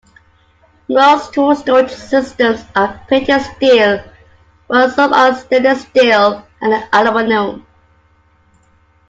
Most tool storage systems are painted steel, but some are stainless steel and aluminum.